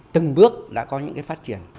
từng bước đã có những phát triển